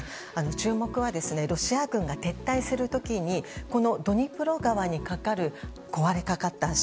注目はロシア軍が撤退する時にこのドニプロ川に架かる壊れかかった橋